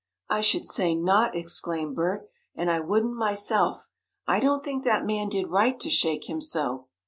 "I should say not!" exclaimed Bert "And I wouldn't myself. I don't think that man did right to shake him so."